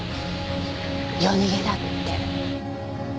夜逃げだって。